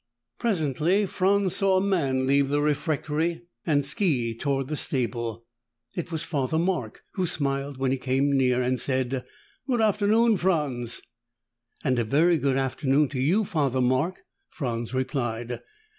Presently, Franz saw a man leave the refectory and ski toward the stable. It was Father Mark, who smiled when he came near and said, "Good afternoon, Franz." "And a very good afternoon to you, Father Mark," Franz replied.